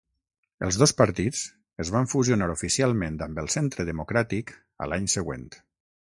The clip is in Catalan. Els dos partits es van fusionar oficialment amb el Centre Democràtic a l'any següent.